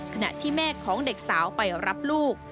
ขณะที่แม่ของเด็กสาวไปรับลูก